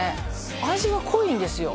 味が濃いんですよ